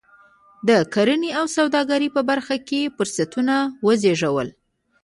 د کرنې او سوداګرۍ په برخه کې فرصتونه وزېږول.